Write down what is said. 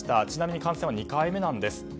ちなみに感染は２回目なんです。